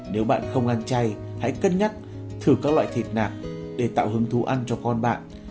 nếu bạn không ăn chay hãy cân nhắc thử các loại thịt nạc để tạo hứng thú ăn cho con bạn